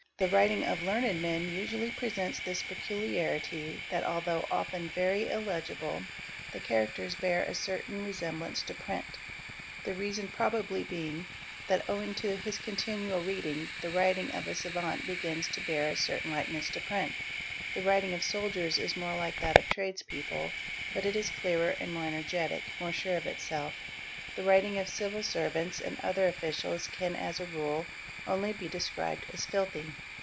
'The writing of learned men usually presents this peculiarity that although often very illegible the characters bear a 308 A I = aa ertain resemblance to print: the reason probably being that owing to ¢ is continual reading the writing of a savant begins to bear a certain ikeness to print. The writing of soldiers is more like that of trades pple but it is clearer and more energetic,—more sure of itself. The f iting of civil servants and other officials can as a rule only be des wibed as "filthy."